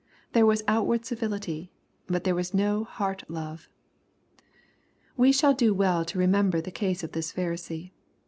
There was outward civility, but there was no heart love. We shall do well to remember the case of this Pharisee.